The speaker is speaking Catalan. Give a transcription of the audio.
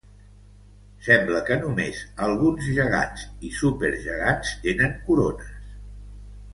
Sembla que només alguns gegants i supergegants tenen corones.